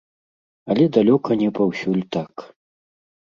Але далёка не паўсюль так.